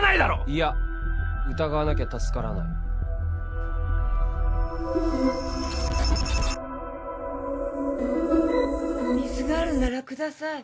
いや疑わなきゃ助からない水があるならください